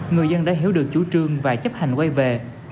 người dân đã hiểu được chủ trương và chấp hành quay về